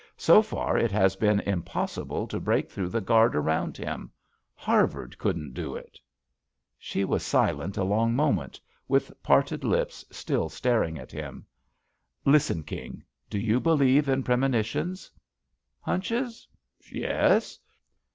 So far it has been impossible to break through the guard around him. Harvard couldn't do it." She was silent a long moment, with parted lips, still staring at him. JUST SWEETHEARTS ^ ''Listen, King. Do you believe in premo nitions?" "Hunches? Yes.